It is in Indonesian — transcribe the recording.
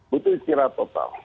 butuh istirahat total